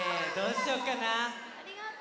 ありがとう。